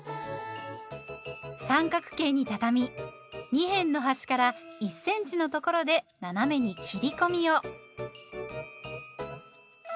三角形にたたみ二辺の端から１センチのところで斜めに切り込みを。